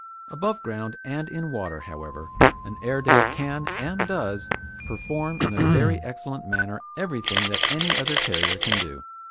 Above ground and in water, however, an Airedale can, and does, perform in a very excellent manner everything that any other terrier can do.